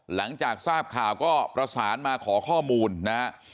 หลังจากทราบข่าวก็ประสานมาขอข้อมูลนะฮะ